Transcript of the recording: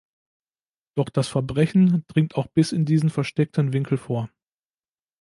Doch das Verbrechen dringt auch bis in diesen versteckten Winkel vor.